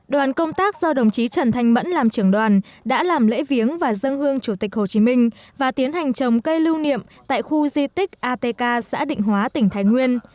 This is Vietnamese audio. đoàn công tác do đồng chí trần thanh mẫn làm trưởng đoàn đã làm lễ viếng và dân hương chủ tịch hồ chí minh và tiến hành trồng cây lưu niệm tại khu di tích atk xã định hóa tỉnh thái nguyên